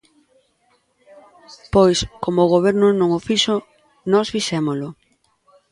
Pois, como o Goberno non o fixo, nós fixémolo.